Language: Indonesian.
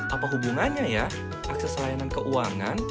apa hubungannya ya akses layanan keuangan